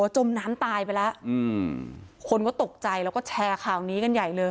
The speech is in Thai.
จมน้ำตายไปแล้วคนก็ตกใจแล้วก็แชร์ข่าวนี้กันใหญ่เลย